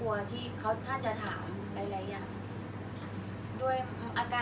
อันไหนที่มันไม่จริงแล้วอาจารย์อยากพูด